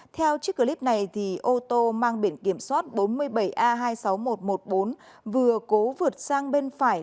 theo clip này ô tô mang biển kiểm soát bốn mươi bảy a hai mươi sáu nghìn một trăm một mươi bốn vừa cố vượt sang bên phải